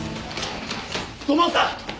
土門さん！